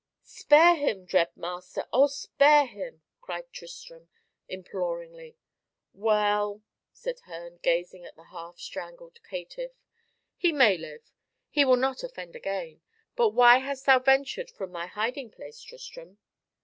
"Spare him, dread master! oh, spare him!" cried Tristram imploringly. "Well," said Herne, gazing at the half strangled caitiff, "he may live. He will not offend again. But why hast thou ventured from thy hiding place, Tristram?"